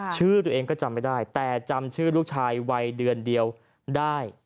ชื่อตัวเองก็จำไม่ได้แต่จำชื่อลูกชายวัยเดือนเดียวได้